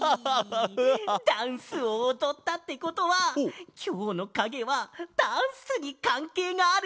ダンスをおどったってことはきょうのかげはダンスにかんけいがあるかげなんだね？